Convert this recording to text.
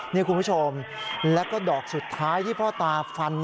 นี่คุณผู้ชมแล้วก็ดอกสุดท้ายที่พ่อตาฟัน